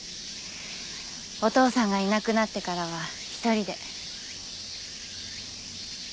お父さんがいなくなってからは一人で。